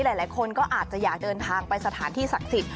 หลายคนก็อาจจะอยากเดินทางไปสถานที่ศักดิ์สิทธิ